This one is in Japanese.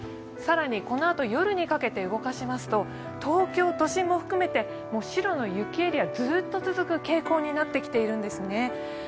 更にこのあと夜にかけて東京都心も含めて、白の雪エリアずっと続く傾向になってきているんですね。